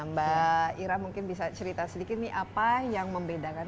mbak ira mungkin bisa cerita sedikit nih apa yang membedakan